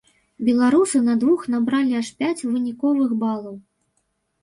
Беларусы на двух набралі аж пяць выніковых балаў.